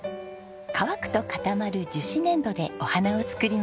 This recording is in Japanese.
乾くと固まる樹脂粘土でお花を作ります。